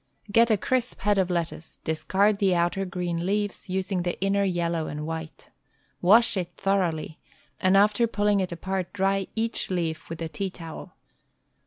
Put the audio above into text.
Get a crisp* head of lettuce, discard the outer green leaves, using the inner yellow and white. Wash it thor oughly, and after pulling it apart dry each leaf with a tea towel.